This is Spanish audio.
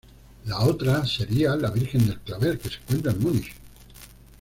La otra sería la "Virgen del clavel" que se encuentra en Múnich.